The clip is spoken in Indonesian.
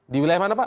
di wilayah mana pak